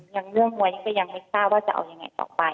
เรื่องมวยนี่ก็ยังไม่ทราบว่าจะเอายังไงต่อไป